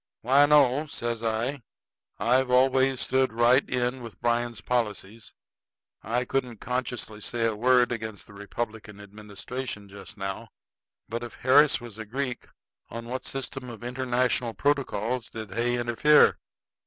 "Why, no," says I. "I've always stood right in with Bryan's policies, and I couldn't consciously say a word against the Republican administration just now. But if Harris was a Greek, on what system of international protocols did Hay interfere?"